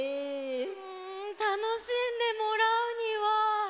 うんたのしんでもらうには。